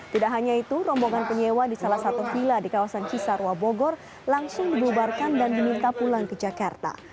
tidak hanya itu rombongan penyewa di salah satu villa di kawasan cisarua bogor langsung dibubarkan dan diminta pulang ke jakarta